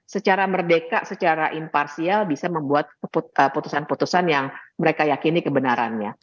secara merdeka secara imparsial bisa membuat keputusan putusan yang mereka yakini kebenarannya